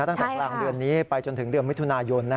ตั้งแต่กลางเดือนนี้ไปจนถึงเดือนมิถุนายน